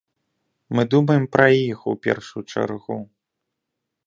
Мы думаем пра іх у першую чаргу.